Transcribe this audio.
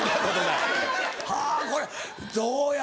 はぁこれどうや？